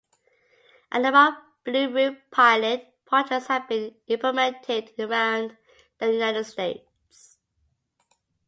A number of blue roof pilot projects have been implemented around the United States.